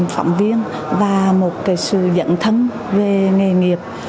phỏng viên và một cái sự dẫn thân về nghề nghiệp